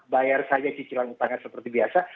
bayar saja cicilan utangnya seperti biasa